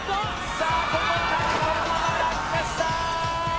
さあここからそのまま落下した。